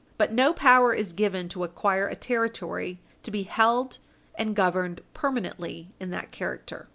But no power is given to acquire a Territory to be held and governed permanently in that character.